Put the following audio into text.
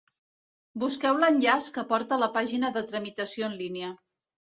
Busqueu l'enllaç que porta a la pàgina de Tramitació en línia.